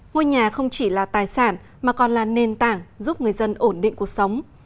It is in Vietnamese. ngôi nhà không chỉ là tài sản mà còn là nền tảng giúp người dân ổn định cuộc sống